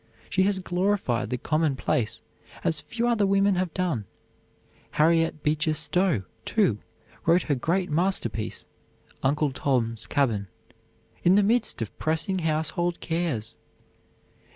She has glorified the commonplace as few other women have done. Harriet Beecher Stowe, too, wrote her great masterpiece, "Uncle Tom's Cabin," in the midst of pressing household cares.